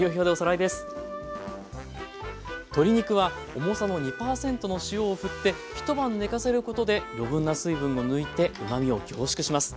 鶏肉は重さの２％の塩を振って一晩寝かせることで余分な水分を抜いてうまみを凝縮します。